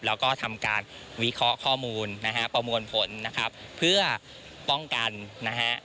แล้วก็ทำการวิเคราะห์ข้อมูลนะฮะประมวลผลนะครับเพื่อป้องกันนะฮะ